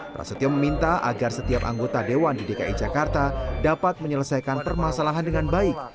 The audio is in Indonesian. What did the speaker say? prasetyo meminta agar setiap anggota dewan di dki jakarta dapat menyelesaikan permasalahan dengan baik